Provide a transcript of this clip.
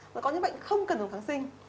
rồi có những bệnh không cần dùng kháng sinh